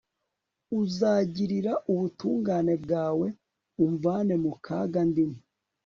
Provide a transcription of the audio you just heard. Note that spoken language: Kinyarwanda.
uzagirira ubutungane bwawe umvane mu kaga ndimo